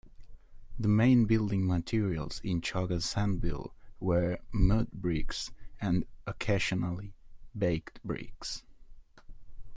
The main building materials in Chogha Zanbil were mud bricks and occasionally baked bricks.